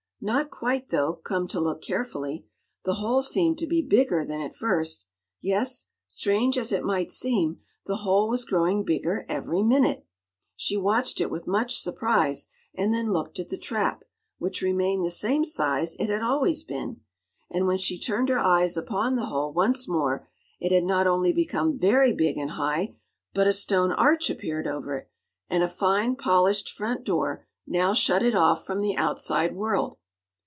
Not quite, though, come to look carefully. The hole seemed to be bigger than at first; yes, strange as it might seem, the hole was growing bigger every minute! She watched it with much surprise, and then looked at the trap, which remained the same size it had always been. And when she turned her eyes upon the hole once more it had not only become very big and high, but a stone arch appeared over it, and a fine, polished front door now shut it off from the outside world.